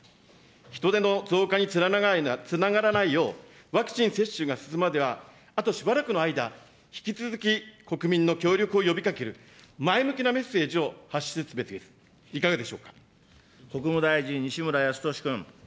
人出の増加につながらないよう、ワクチン接種が済むまでは、あとしばらくの間、引き続き、国民の協力を呼びかける前向きなメッセージを発出すべき、いかが国務大臣、西村康稔君。